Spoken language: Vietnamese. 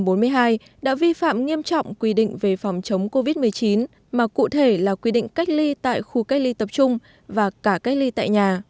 bệnh nhân một ba trăm bốn mươi hai đã vi phạm nghiêm trọng quy định về phòng chống covid một mươi chín mà cụ thể là quy định cách ly tại khu cách ly tập trung và cả cách ly tại nhà